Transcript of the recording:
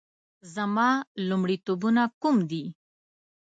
زما لومړیتوبونه کوم دي؟